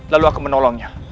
lalu aku menolongnya